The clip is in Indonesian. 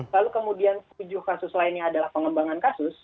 lalu kemudian tujuh kasus lainnya adalah pengembangan kasus